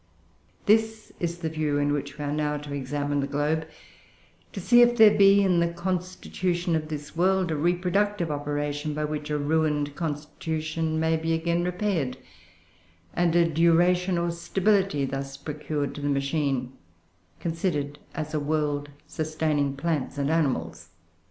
"This is the view in which we are now to examine the globe; to see if there be, in the constitution of this world, a reproductive operation, by which a ruined constitution may be again repaired, and a duration or stability thus procured to the machine, considered as a world sustaining plants and animals."